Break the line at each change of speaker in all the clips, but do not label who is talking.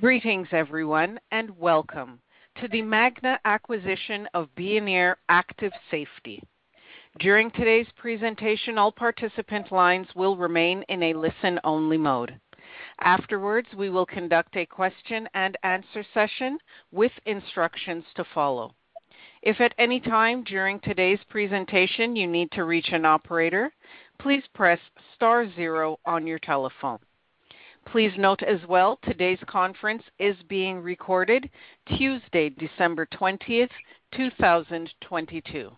Greetings, everyone, welcome to the Magna acquisition of Veoneer Active Safety. During today's presentation, all participant lines will remain in a listen-only mode. Afterwards, we will conduct a question-and-answer session with instructions to follow. If at any time during today's presentation you need to reach an operator, please press star zero on your telephone. Please note as well today's conference is being recorded Tuesday, December 20th, 2022.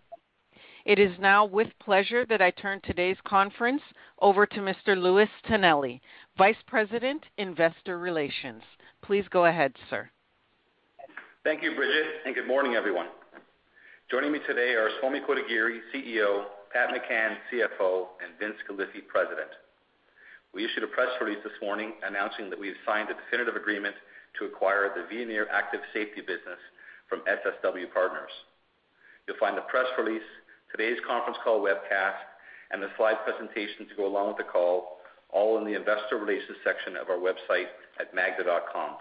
It is now with pleasure that I turn today's conference over to Mr. Louis Tonelli, Vice President, Investor Relations. Please go ahead, sir.
Thank you, Bridget, and good morning, everyone. Joining me today are Swamy Kotagiri, CEO, Pat McCann, CFO, and Vince Galifi, President. We issued a press release this morning announcing that we have signed a definitive agreement to acquire the Veoneer Active Safety business from SSW Partners. You'll find the press release, today's conference call webcast, and the slide presentation to go along with the call all in the investor relations section of our website at magna.com.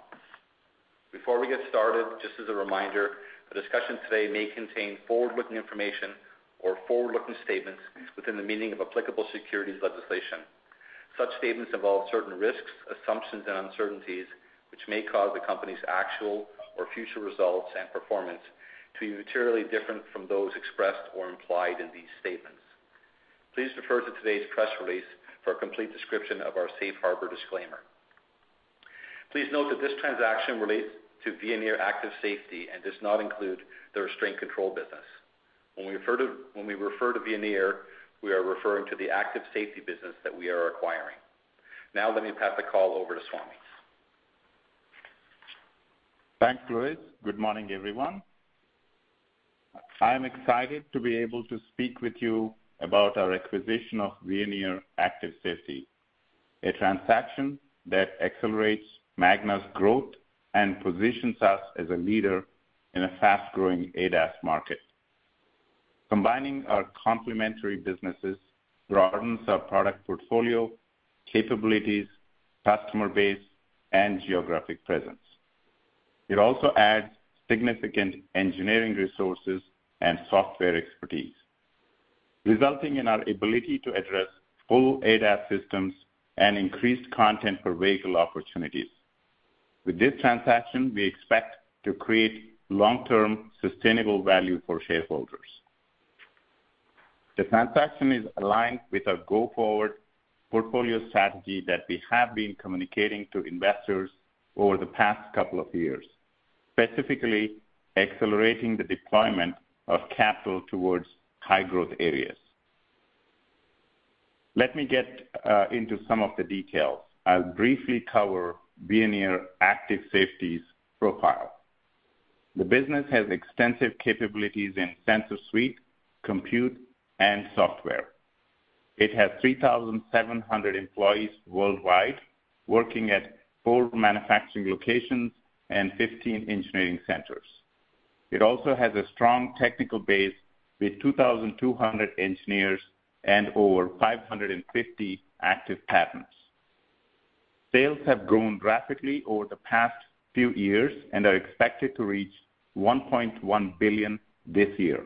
Before we get started, just as a reminder, the discussion today may contain forward-looking information or forward-looking statements within the meaning of applicable securities legislation. Such statements involve certain risks, assumptions, and uncertainties which may cause the company's actual or future results and performance to be materially different from those expressed or implied in these statements. Please refer to today's press release for a complete description of our safe harbor disclaimer. Please note that this transaction relates to Veoneer Active Safety and does not include the restraint control business. When we refer to Veoneer, we are referring to the Active Safety business that we are acquiring. Now let me pass the call over to Swamy.
Thanks, Louis. Good morning, everyone. I am excited to be able to speak with you about our acquisition of Veoneer Active Safety, a transaction that accelerates Magna's growth and positions us as a leader in a fast-growing ADAS market. Combining our complementary businesses broadens our product portfolio, capabilities, customer base, and geographic presence. It also adds significant engineering resources and software expertise, resulting in our ability to address full ADAS systems and increased content per vehicle opportunities. With this transaction, we expect to create long-term sustainable value for shareholders. The transaction is aligned with our go-forward portfolio strategy that we have been communicating to investors over the past couple of years, specifically accelerating the deployment of capital towards high-growth areas. Let me get into some of the details. I'll briefly cover Veoneer Active Safety's profile. The business has extensive capabilities in sensor suite, compute, and software. It has 3,700 employees worldwide, working at four manufacturing locations and 15 engineering centers. It also has a strong technical base with 2,200 engineers and over 550 active patents. Sales have grown rapidly over the past few years and are expected to reach $1.1 billion this year.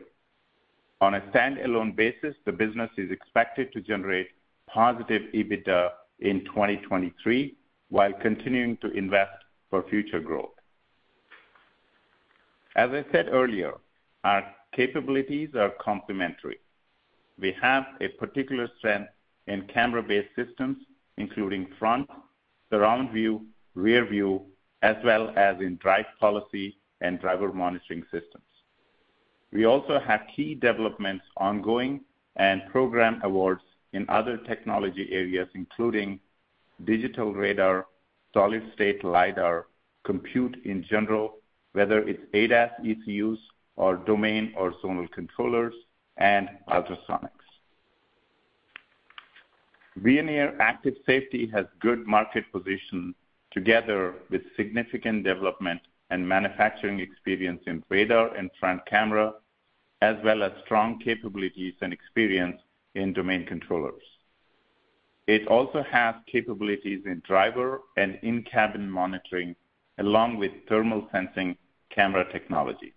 On a standalone basis, the business is expected to generate positive EBITDA in 2023 while continuing to invest for future growth. As I said earlier, our capabilities are complementary. We have a particular strength in camera-based systems, including front, surround view, rear view, as well as in drive policy and driver monitoring systems. We also have key developments ongoing and program awards in other technology areas, including digital radar, solid-state LiDAR, compute in general, whether it's ADAS ECUs or domain or zonal controllers and ultrasonics. Veoneer Active Safety has good market position together with significant development and manufacturing experience in radar and front camera, as well as strong capabilities and experience in domain controllers. It also has capabilities in driver and in-cabin monitoring along with thermal sensing camera technology.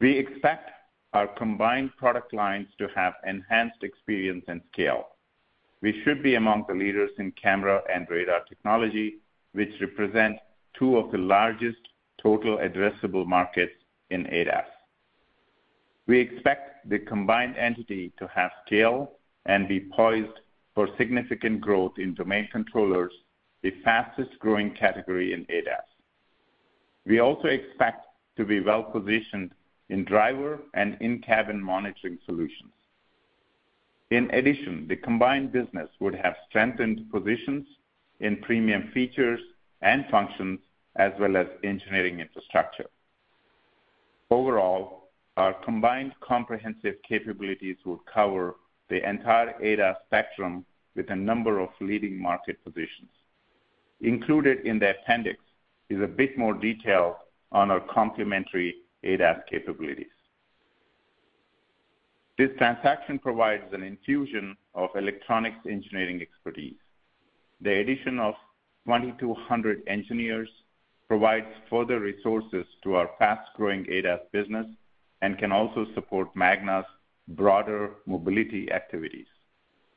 We expect our combined product lines to have enhanced experience and scale. We should be among the leaders in camera and radar technology, which represent two of the largest total addressable markets in ADAS. We expect the combined entity to have scale and be poised for significant growth in domain controllers, the fastest-growing category in ADAS. We also expect to be well-positioned in driver and in-cabin monitoring solutions. In addition, the combined business would have strengthened positions in premium features and functions as well as engineering infrastructure. Overall, our combined comprehensive capabilities will cover the entire ADAS spectrum with a number of leading market positions. Included in the Appendix is a bit more detail on our complementary ADAS capabilities. This transaction provides an infusion of electronics engineering expertise. The addition of 2,200 engineers provides further resources to our fast-growing ADAS business and can also support Magna's broader mobility activities.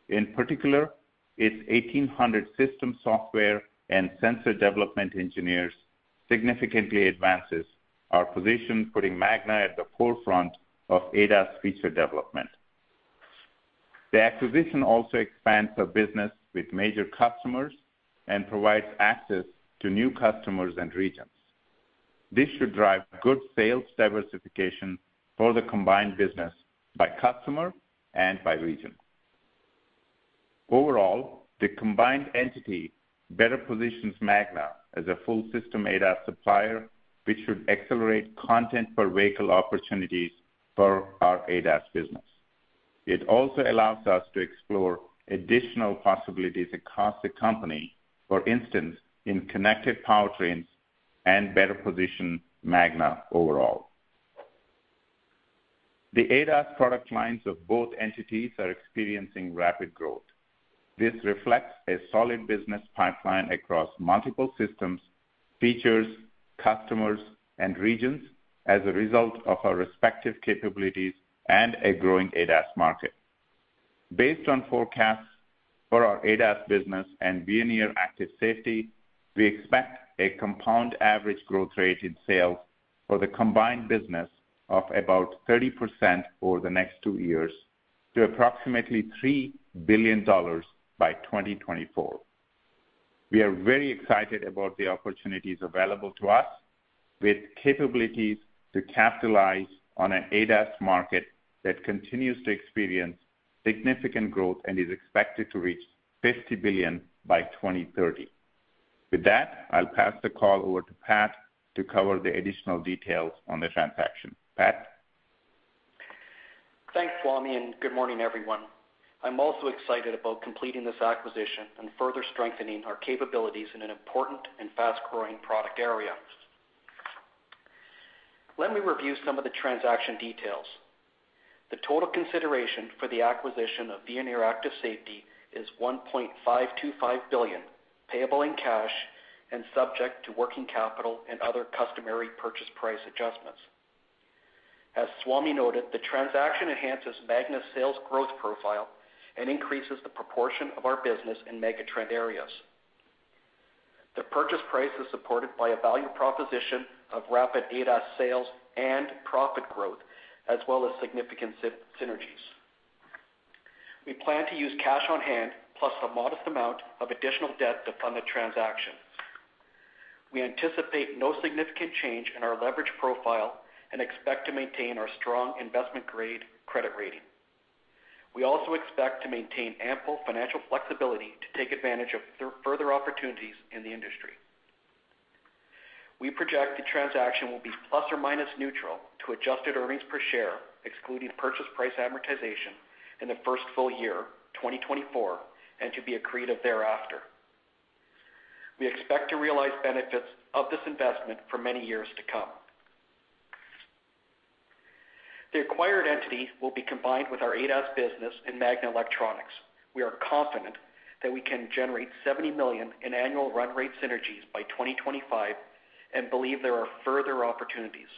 In particular, its 1,800 systems, software, and sensor development engineers significantly advances our position, putting Magna at the forefront of ADAS feature development. The acquisition also expands our business with major customers and provides access to new customers and regions. This should drive good sales diversification for the combined business by customer and by region. Overall, the combined entity better positions Magna as a full system ADAS supplier, which should accelerate content per vehicle opportunities for our ADAS business. It also allows us to explore additional possibilities across the company, for instance, in connected powertrains and better position Magna overall. The ADAS product lines of both entities are experiencing rapid growth. This reflects a solid business pipeline across multiple systems, features, customers, and regions as a result of our respective capabilities and a growing ADAS market. Based on forecasts for our ADAS business and Veoneer Active Safety, we expect a compound average growth rate in sales for the combined business of about 30% over the next two years to approximately $3 billion by 2024. We are very excited about the opportunities available to us with capabilities to capitalize on an ADAS market that continues to experience significant growth and is expected to reach $50 billion by 2030. I'll pass the call over to Pat to cover the additional details on the transaction. Pat?
Thanks, Swamy. Good morning, everyone. I'm also excited about completing this acquisition and further strengthening our capabilities in an important and fast-growing product area. Let me review some of the transaction details. The total consideration for the acquisition of Veoneer Active Safety is $1.525 billion, payable in cash and subject to working capital and other customary purchase price adjustments. As Swamy noted, the transaction enhances Magna's sales growth profile and increases the proportion of our business in megatrend areas. The purchase price is supported by a value proposition of rapid ADAS sales and profit growth as well as significant synergies. We plan to use cash on hand plus a modest amount of additional debt to fund the transaction. We anticipate no significant change in our leverage profile and expect to maintain our strong investment-grade credit rating. We also expect to maintain ample financial flexibility to take advantage of further opportunities in the industry. We project the transaction will be plus or minus neutral to adjusted earnings per share, excluding purchase price amortization in the first full year, 2024, and to be accretive thereafter. We expect to realize benefits of this investment for many years to come. The acquired entity will be combined with our ADAS business in Magna Electronics. We are confident that we can generate $70 million in annual run rate synergies by 2025 and believe there are further opportunities.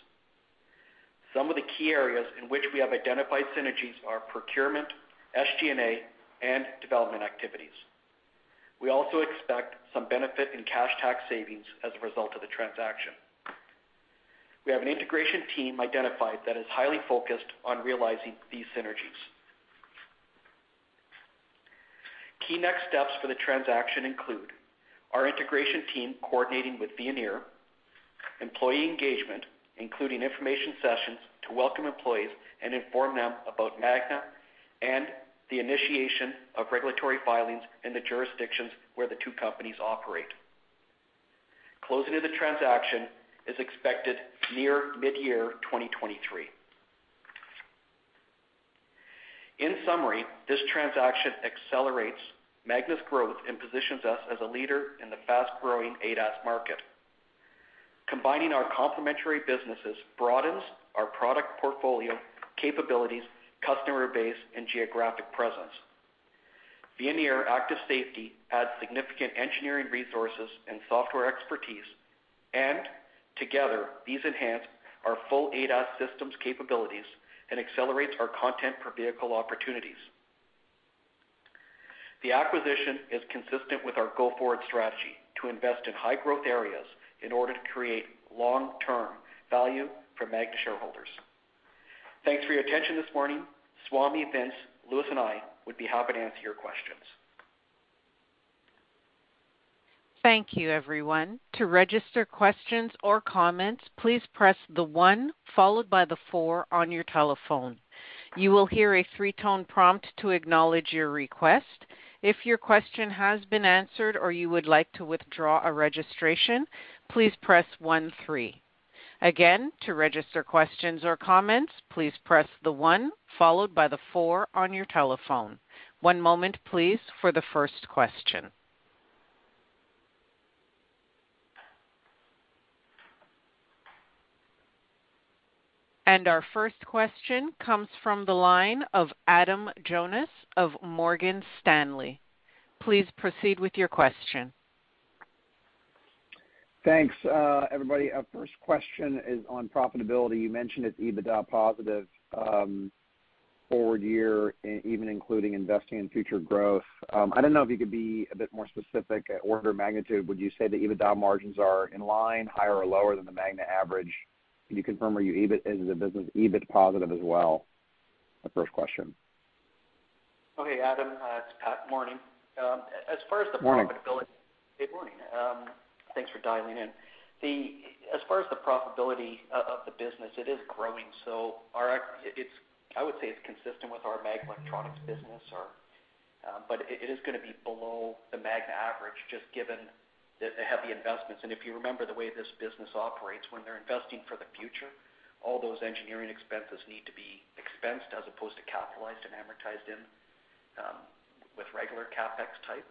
Some of the key areas in which we have identified synergies are procurement, SG&A, and development activities. We also expect some benefit in cash tax savings as a result of the transaction. We have an integration team identified that is highly focused on realizing these synergies. Key next steps for the transaction include our integration team coordinating with Veoneer, employee engagement, including information sessions to welcome employees and inform them about Magna, and the initiation of regulatory filings in the jurisdictions where the two companies operate. Closing of the transaction is expected near mid-year 2023. In summary, this transaction accelerates Magna's growth and positions us as a leader in the fast-growing ADAS market. Combining our complementary businesses broadens our product portfolio capabilities, customer base, and geographic presence. Veoneer Active Safety adds significant engineering resources and software expertise, and together, these enhance our full ADAS systems capabilities and accelerates our content per vehicle opportunities. The acquisition is consistent with our go-forward strategy to invest in high-growth areas in order to create long-term value for Magna shareholders. Thanks for your attention this morning. Swamy, Vince, Louis, and I would be happy to answer your questions.
Thank you, everyone. To register questions or comments, please press the one followed by the four on your telephone. You will hear a three-tone prompt to acknowledge your request. If your question has been answered or you would like to withdraw a registration, please press one, three. Again, to register questions or comments, please press the one followed by the four on your telephone. One moment, please, for the first question. Our first question comes from the line of Adam Jonas of Morgan Stanley. Please proceed with your question.
Thanks, everybody. Our first question is on profitability. You mentioned it's EBITDA positive, forward year, even including investing in future growth. I don't know if you could be a bit more specific. Order of magnitude, would you say the EBITDA margins are in line, higher or lower than the Magna average? Can you confirm is the business EBIT positive as well? My first question.
Okay, Adam. It's Pat. Good morning.
Good morning.
Good morning. Thanks for dialing in. As far as the profitability of the business, it is growing. I would say it's consistent with our Magna Electronics business or, but it is gonna be below the Magna average just given the heavy investments. If you remember the way this business operates, when they're investing for the future, all those engineering expenses need to be expensed as opposed to capitalized and amortized in with regular CapEx type.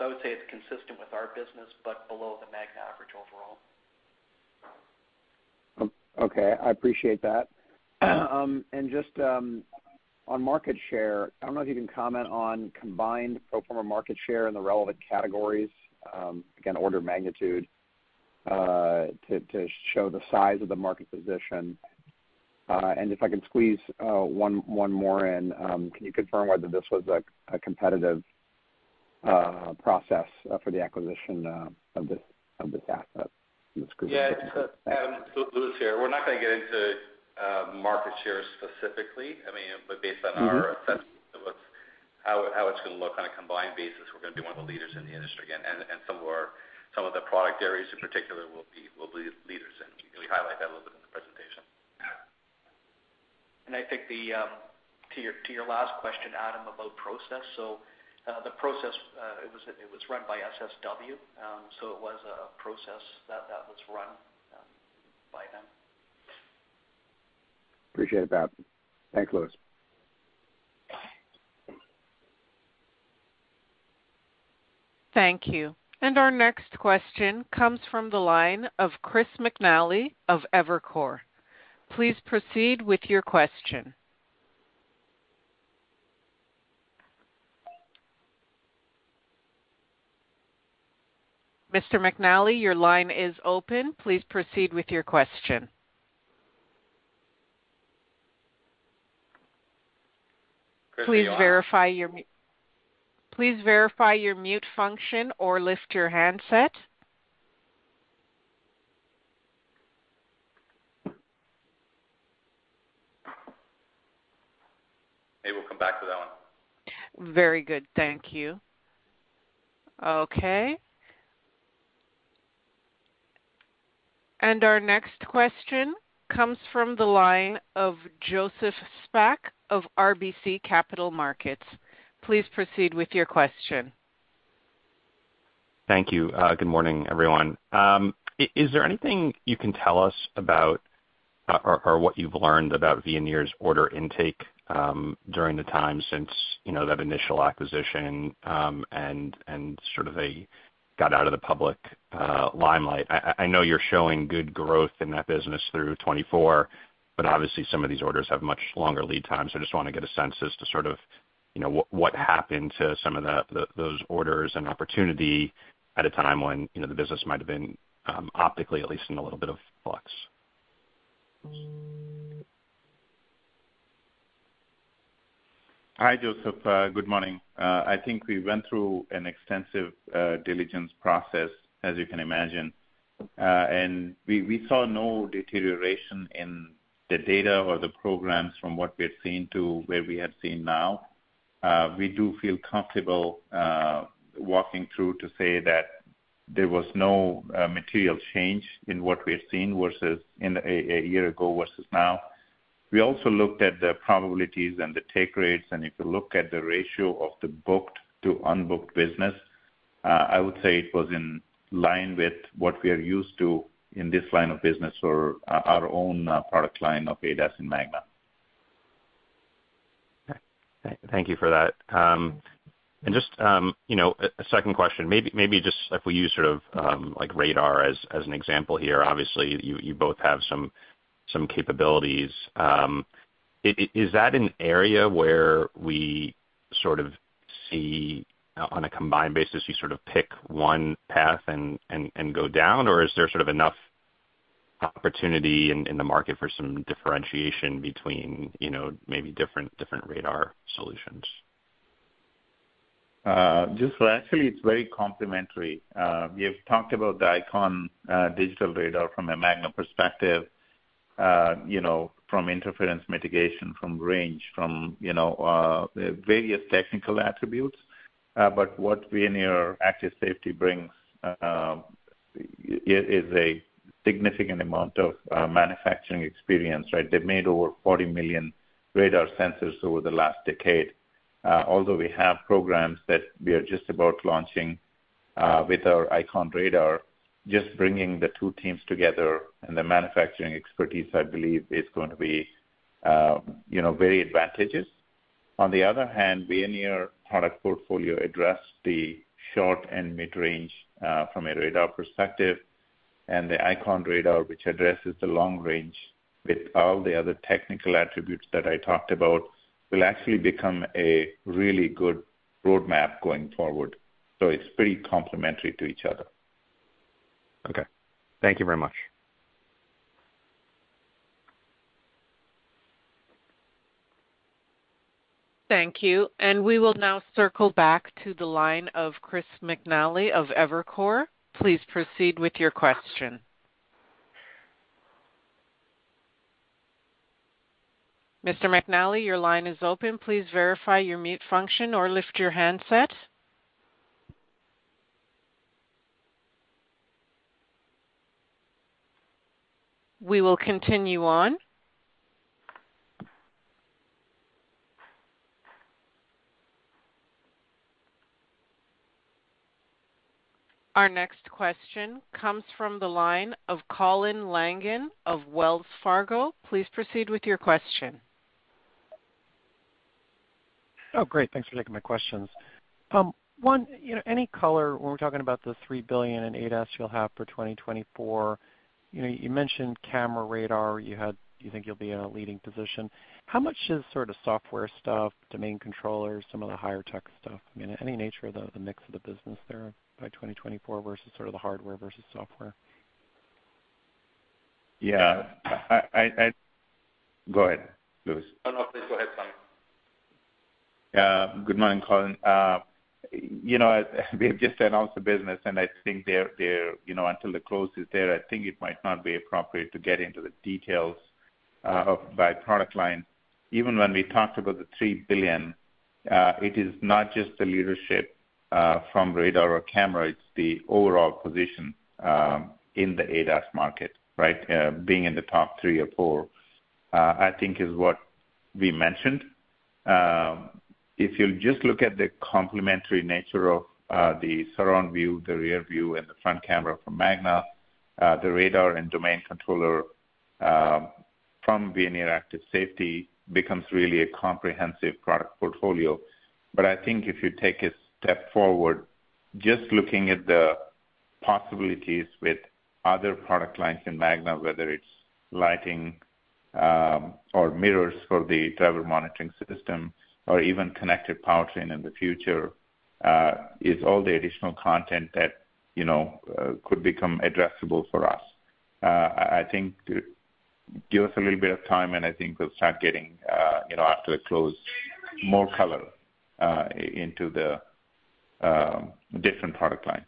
I would say it's consistent with our business but below the Magna average overall.
Okay, I appreciate that. Just on market share, I don't know if you can comment on combined pro forma market share in the relevant categories, again, order of magnitude, to show the size of the market position. If I can squeeze one more in, can you confirm whether this was a competitive process for the acquisition of this asset? That's great.
Yeah, it's Adam, Louis here. We're not gonna get into market share specifically. I mean, based on our assessment of how it's gonna look on a combined basis, we're gonna be one of the leaders in the industry again. Some of the product areas in particular will be leaders, and we highlight that a little bit in the presentation.
I think, to your last question, Adam, about the process, it was run by SSW. It was a process that was run by them.
Appreciate it, Pat. Thanks, guys.
Thank you. Our next question comes from the line of Chris McNally of Evercore. Please proceed with your question. Mr. McNally, your line is open. Please proceed with your question. Please verify your mute function or lift your handset.
Maybe we'll come back to that one.
Very good. Thank you. Okay. Our next question comes from the line of Joseph Spak of RBC Capital Markets. Please proceed with your question.
Thank you. Good morning, everyone. Is there anything you can tell us about or what you've learned about Veoneer's order intake during the time since, you know, that initial acquisition and sort of they got out of the public limelight? I know you're showing good growth in that business through 2024, obviously some of these orders have much longer lead times. I just wanna get a sense as to sort of, you know, what happened to some of those orders and opportunity at a time when, you know, the business might have been optically at least in a little bit of flux.
Hi, Joseph. Good morning. I think we went through an extensive diligence process as you can imagine. We saw no deterioration in the data or the programs from what we had seen to where we have seen now. We do feel comfortable walking through to say that there was no material change in what we had seen versus in a year ago versus now. We also looked at the probabilities and the take rates, if you look at the ratio of the booked to unbooked business, I would say it was in line with what we are used to in this line of business for our own product line of ADAS and Magna.
Okay. Thank you for that. Just, you know, a second question. Maybe just if we use sort of, like radar as an example here, obviously you both have some capabilities. Is that an area where we sort of see on a combined basis, you sort of pick one path and go down, or is there sort of enough opportunity in the market for some differentiation between, you know, maybe different radar solutions?
Just actually it's very complementary. We have talked about the ICON Radar digital radar from a Magna perspective, you know, from interference mitigation, from range, from, you know, various technical attributes. What Veoneer Active Safety brings is a significant amount of manufacturing experience, right? They've made over 40 million radar sensors over the last decade. Although we have programs that we are just about launching with our ICON Radar, just bringing the two teams together and the manufacturing expertise I believe is going to be, you know, very advantageous. On the other hand, Veoneer product portfolio address the short and mid-range from a radar perspective and the ICON Radar, which addresses the long range with all the other technical attributes that I talked about, will actually become a really good roadmap going forward. It's pretty complimentary to each other.
Okay. Thank you very much.
Thank you. We will now circle back to the line of Chris McNally of Evercore. Please proceed with your question. Mr. McNally, your line is open. Please verify your mute function or lift your handset. We will continue on. Our next question comes from the line of Colin Langan of Wells Fargo. Please proceed with your question.
Great. Thanks for taking my questions. One, you know, any color when we're talking about the $3 billion in ADAS you'll have for 2024, you know, you mentioned camera radar you think you'll be in a leading position? How much is sort of software stuff, domain controllers, some of the higher tech stuff? I mean, any nature of the mix of the business there by 2024 versus sort of the hardware versus software?
Yeah. I. Go ahead, Louis.
No, no. Please go ahead, Swamy.
Good morning, Colin. You know, we have just announced the business, and I think, you know, until the close is there, I think it might not be appropriate to get into the details of by product line. Even when we talked about the $3 billion, it is not just the leadership from radar or camera, it's the overall position in the ADAS market, right? Being in the top three or four, I think is what we mentioned. If you'll just look at the complementary nature of the surround view, the rear view, and the front camera from Magna, the radar and domain controller from Veoneer Active Safety becomes really a comprehensive product portfolio. I think if you take a step forward, just looking at the possibilities with other product lines in Magna, whether it's lighting, or mirrors for the driver monitoring system or even connected powertrain in the future, is all the additional content that, you know, could become addressable for us. I think give us a little bit of time, and I think we'll start giving, you know, after the close, more color into the different product lines.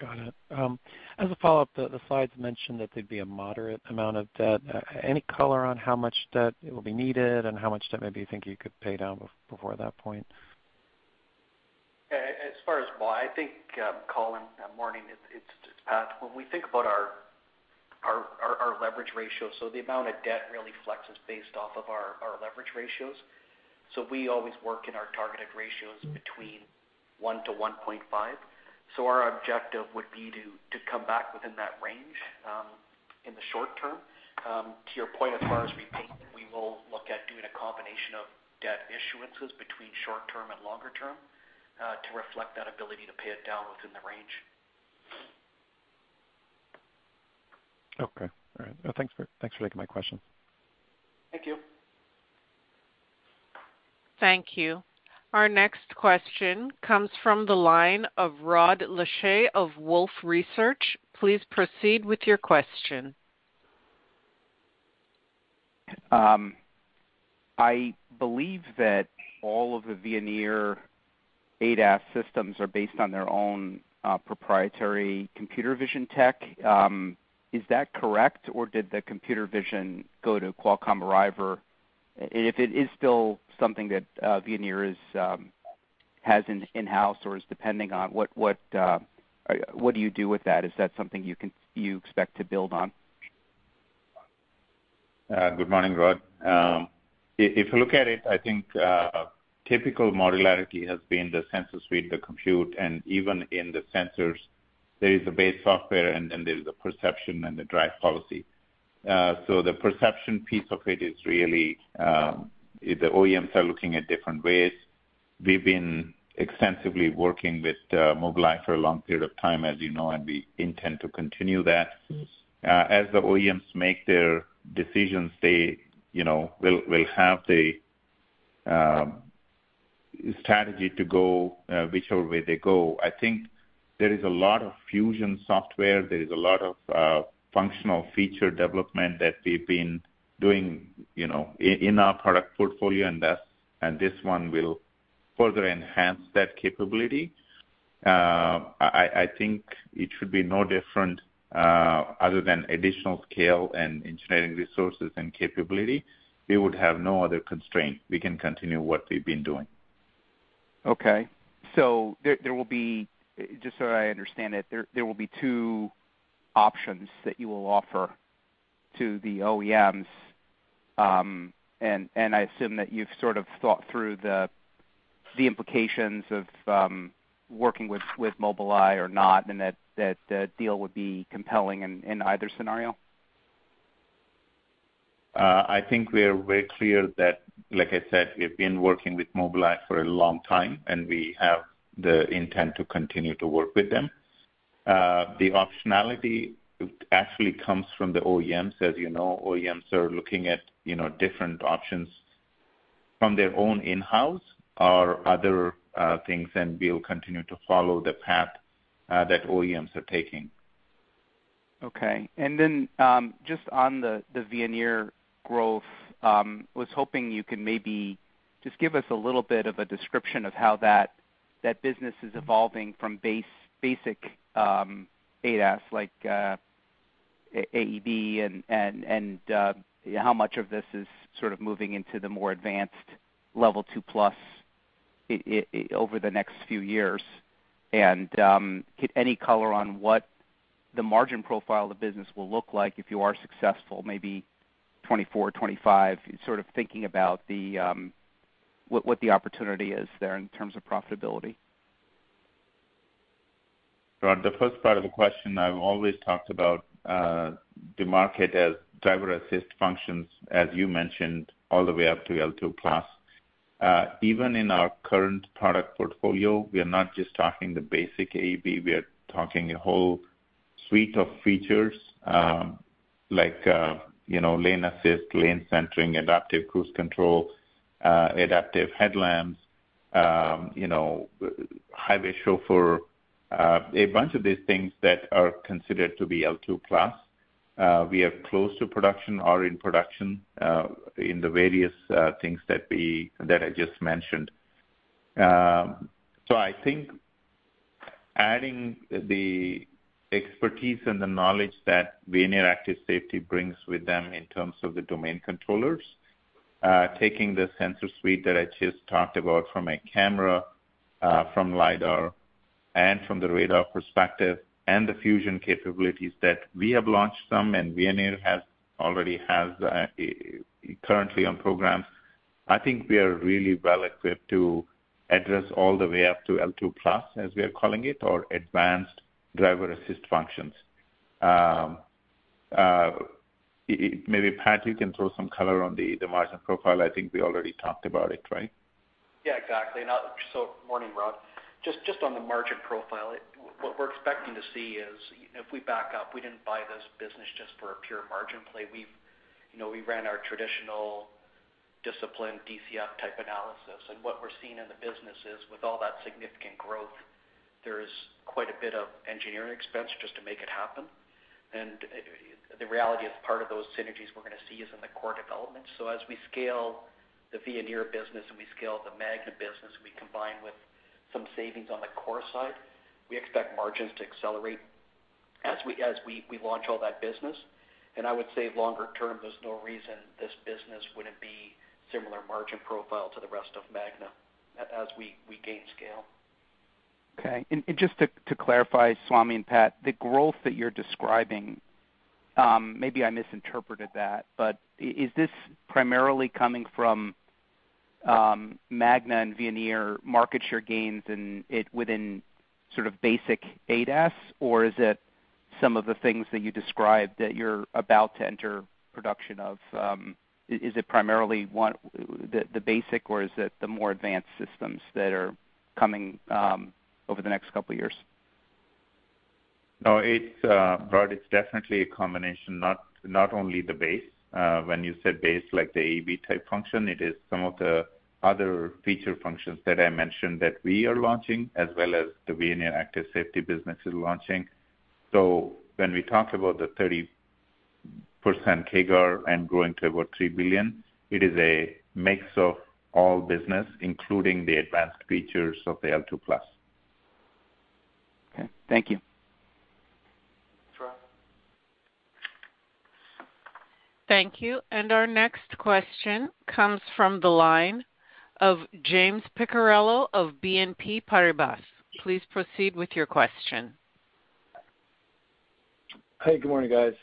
Got it. As a follow-up, the slides mentioned that there'd be a moderate amount of debt. Any color on how much debt it will be needed and how much debt maybe you think you could pay down before that point?
As far as why, I think, Colin, morning, it's Pat. When we think about our leverage ratio, so the amount of debt really flexes based off of our leverage ratios. We always work in our targeted ratios between 1x to 1.5x. Our objective would be to come back within that range in the short term. To your point as far as repayment, we will look at doing a combination of debt issuances between short term and longer term to reflect that ability to pay it down within the range.
Okay. All right. Thanks for taking my question.
Thank you.
Thank you. Our next question comes from the line of Rod Lache of Wolfe Research. Please proceed with your question.
I believe that all of the Veoneer ADAS systems are based on their own proprietary computer vision tech. Is that correct, or did the computer vision go to Qualcomm Arriver? If it is still something that Veoneer has in-house or is depending on, what do you do with that? Is that something you expect to build on?
Good morning, Rod. If you look at it, I think typical modularity has been the sensor suite, the compute, and even in the sensors, there is a base software and there's a perception and the drive policy. The perception piece of it is really the OEMs are looking at different ways. We've been extensively working with Mobileye for a long period of time, as you know, and we intend to continue that. As the OEMs make their decisions, they, you know, will have the strategy to go whichever way they go. I think there is a lot of fusion software, there is a lot of functional feature development that we've been doing, you know, in our product portfolio, and this one will further enhance that capability. I think it should be no different, other than additional scale and engineering resources and capability. We would have no other constraint. We can continue what we've been doing.
There will be, just so I understand it, there will be two options that you will offer to the OEMs. I assume that you've sort of thought through the implications of working with Mobileye or not, and that deal would be compelling in either scenario.
I think we are very clear that, like I said, we've been working with Mobileye for a long time, and we have the intent to continue to work with them. The optionality actually comes from the OEMs. As you know, OEMs are looking at, you know, different options from their own in-house or other things, and we'll continue to follow the path that OEMs are taking.
Okay. Just on the Veoneer growth, was hoping you can maybe just give us a little bit of a description of how that business is evolving from basic ADAS, like AEB and how much of this is sort of moving into the more advanced level two plus over the next few years. Any color on what the margin profile of the business will look like if you are successful, maybe 2024, 2025, sort of thinking about what the opportunity is there in terms of profitability.
Rod, the first part of the question, I've always talked about the market as driver assist functions, as you mentioned, all the way up to L2+. Even in our current product portfolio, we are not just talking the basic AEB, we are talking a whole suite of features, like, you know, lane assist, lane centering, adaptive cruise control, adaptive headlamps, you know, highway chauffeur, a bunch of these things that are considered to be L2+. We are close to production or in production in the various things that I just mentioned. I think adding the expertise and the knowledge that Veoneer Active Safety brings with them in terms of the domain controllers, taking the sensor suite that I just talked about from a camera, from LiDAR and from the radar perspective and the fusion capabilities that we have launched some and Veoneer already has currently on programs, I think we are really well equipped to address all the way up to L2+, as we are calling it, or advanced driver assist functions. Maybe, Pat, you can throw some color on the margin profile. I think we already talked about it, right?
Yeah, exactly. Morning, Rod. Just on the margin profile, what we're expecting to see is if we back up, we didn't buy this business just for a pure margin play. You know, we ran our traditional disciplined DCF type analysis. What we're seeing in the business is with all that significant growth, there is quite a bit of engineering expense just to make it happen. The reality is part of those synergies we're gonna see is in the core development. As we scale the Veoneer business and we scale the Magna business, we combine with some savings on the core side, we expect margins to accelerate as we launch all that business. I would say longer term, there's no reason this business wouldn't be similar margin profile to the rest of Magna as we gain scale.
Okay. Just to clarify, Swamy and Pat, the growth that you're describing, maybe I misinterpreted that, but is this primarily coming from Magna and Veoneer market share gains and it within sort of basic ADAS, or is it some of the things that you described that you're about to enter production of, is it primarily the basic, or is it the more advanced systems that are coming over the next couple of years?
No, it's, Rod, it's definitely a combination, not only the base. When you said base, like the AEB type function, it is some of the other feature functions that I mentioned that we are launching, as well as the Veoneer Active Safety business is launching. When we talk about the 30% CAGR and growing to about $3 billion, it is a mix of all business, including the advanced features of the L2+.
Okay. Thank you.
Sure.
Thank you. Our next question comes from the line of James Picariello of BNP Paribas. Please proceed with your question.
Hey, good morning, guys.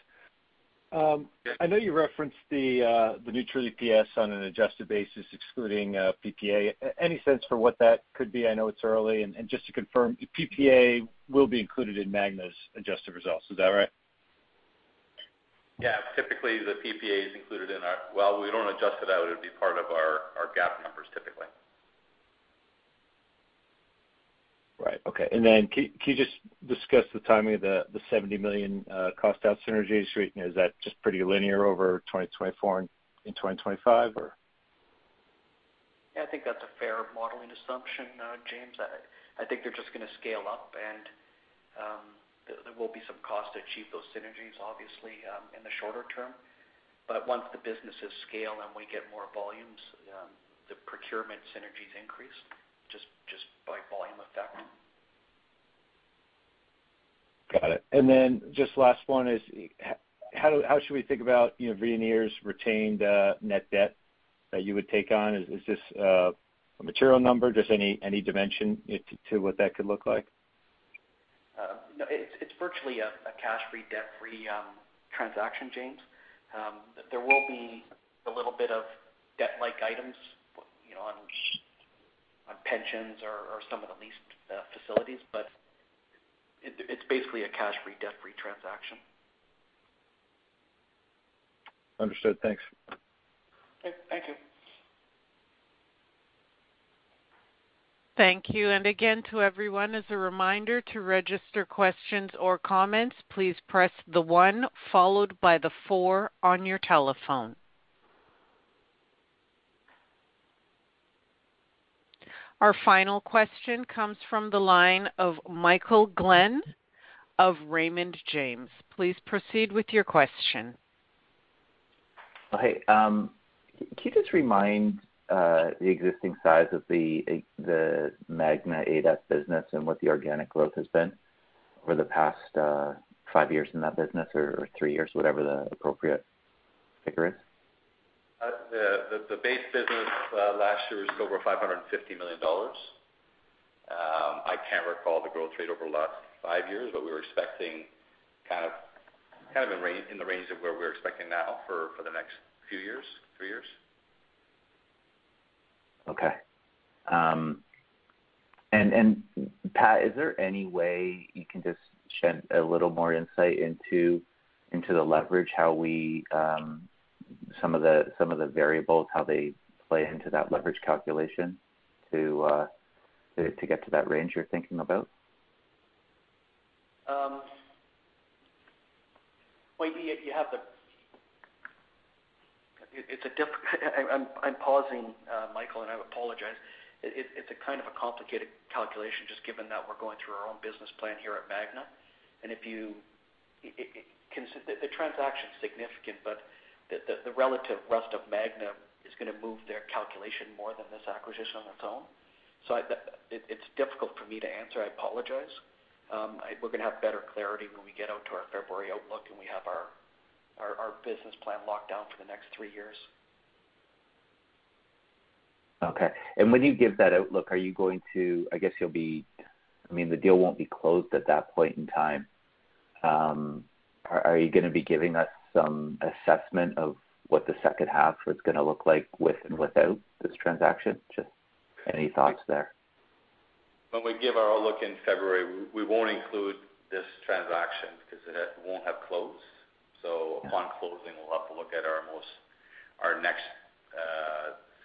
I know you referenced the neutral EPS on an adjusted basis excluding PPA. Any sense for what that could be? I know it's early. Just to confirm, PPA will be included in Magna's adjusted results, is that right?
Yeah. Typically, the PPA is included. Well, we don't adjust it out. It'd be part of our GAAP numbers, typically.
Right. Okay. Can you just discuss the timing of the $70 million cost out synergies? Is that just pretty linear over 2024 and in 2025?
Yeah, I think that's a fair modeling assumption, James. I think they're just gonna scale up and, there will be some cost to achieve those synergies obviously, in the shorter term. Once the businesses scale and we get more volumes, the procurement synergies increase just by volume effect.
Got it. Just last one is how should we think about, you know, Veoneer's retained net debt that you would take on? Is this a material number? Just any dimension to what that could look like?
It's virtually a cash-free, debt-free transaction, James. There will be a little bit of debt-like items, you know, on pensions or some of the leased facilities, but it's basically a cash-free, debt-free transaction.
Understood. Thanks.
Okay. Thank you.
Thank you. Again, to everyone, as a reminder, to register questions or comments, please press the one followed by the four on your telephone. Our final question comes from the line of Michael Glen of Raymond James. Please proceed with your question.
Okay. Can you just remind the existing size of the Magna ADAS business and what the organic growth has been over the past five years in that business or three years, whatever the appropriate figure is?
The base business last year was over $550 million. I can't recall the growth rate over the last five years, but we were expecting kind of in the range of where we're expecting now for the next few years, three years.
Okay. Pat, is there any way you can just shed a little more insight into the leverage, how we, some of the variables, how they play into that leverage calculation to get to that range you're thinking about?
Well, I'm pausing, Michael, and I apologize. It's a kind of a complicated calculation just given that we're going through our own business plan here at Magna. The transaction is significant, but the relative rest of Magna is gonna move their calculation more than this acquisition on its own. It's difficult for me to answer. I apologize. We're gonna have better clarity when we get out to our February outlook and we have our business plan locked down for the next three years.
Okay. When you give that outlook, are you going to I mean, the deal won't be closed at that point in time. Are you gonna be giving us some assessment of what the second half is gonna look like with and without this transaction? Just any thoughts there?
When we give our outlook in February, we won't include this transaction because it won't have closed. Upon closing, we'll have to look at our most, our next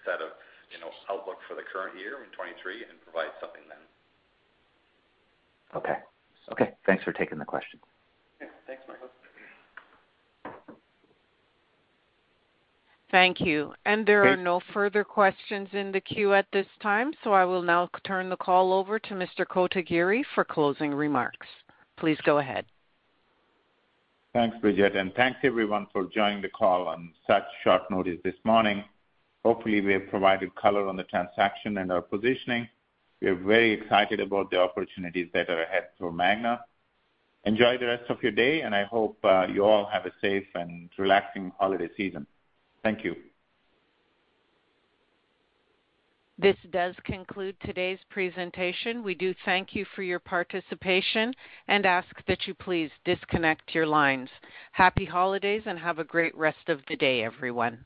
set of, you know, outlook for the current year in 2023 and provide something then.
Okay. Okay. Thanks for taking the question.
Yeah. Thanks, Michael.
Thank you.
Okay.
There are no further questions in the queue at this time, so I will now turn the call over to Mr. Kotagiri for closing remarks. Please go ahead.
Thanks, Bridget, and thanks everyone for joining the call on such short notice this morning. Hopefully, we have provided color on the transaction and our positioning. We are very excited about the opportunities that are ahead for Magna. Enjoy the rest of your day, and I hope you all have a safe and relaxing holiday season. Thank you.
This does conclude today's presentation. We do thank you for your participation and ask that you please disconnect your lines. Happy holidays, and have a great rest of the day, everyone.